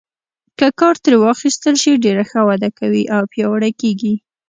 که کار ترې واخیستل شي ډېره ښه وده کوي او پیاوړي کیږي.